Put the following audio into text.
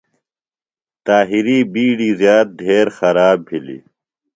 طاہر یۡ بیڈیۡ زیات ڈھیر خراب بھِلیۡ۔